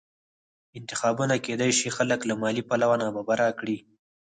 انتخابونه کېدای شي خلک له مالي پلوه نابرابره کړي